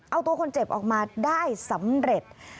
เอาตัวคนเจ็บออกมาได้สำเร็จ